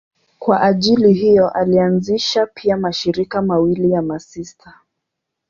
Kwa ajili hiyo alianzisha pia mashirika mawili ya masista.